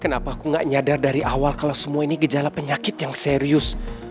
kenapa aku nggak nyadar dari awal kalau semua ini gejala penyakit yang serius